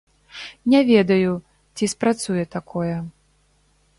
Не ведаю, ці спрацуе такое.